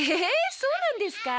そうなんですか？